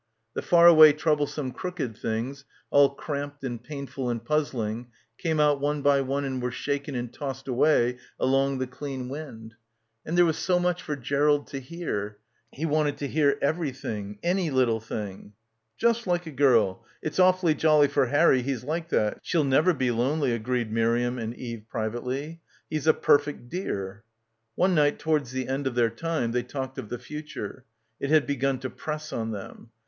The far away troublesome crooked things, all cramped and painful and puzzling came out one by one and were shaken and tossed away along the clean wind. And there was so much for Gerald to hear. He wanted to hear everything — any little thing — "Just like a girl; it's awfully jolly for Harry he's like that. She'll never be lonely," agreed Miriam and Eve privately. ... "He's a perfect dear." One night towards the end of their time they talked of the future. It had begun to press on them.